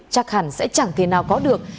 chắc hẳn sẽ chẳng thể nào có được